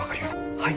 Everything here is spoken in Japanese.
はい。